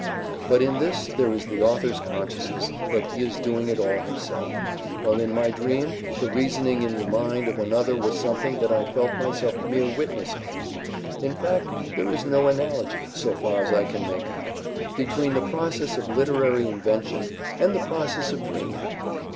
But in this there is the author's consciousness that he is doing it all himself, while in my dream this reasoning in the mind of another was something that I felt myself mere witness of. In fact, there is no analogy, so far as I can make out, between the process of literary invention and the process of dreaming.